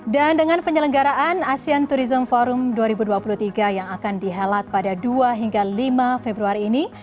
dan dengan penyelenggaraan asean tourism forum dua ribu dua puluh tiga yang akan dihelat pada dua hingga lima februari ini